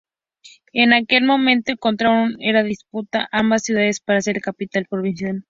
En aquel momento, entraron en disputa ambas ciudades para ser la capital provincial.